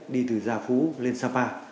đi từ gia phú lên sapa